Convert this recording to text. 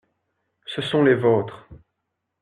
Ce sont les vôtres.